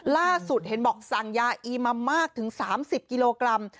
ล่าสุดเห็นบอกสั่งยาอีมามากถึง๓๐กิโลกรัม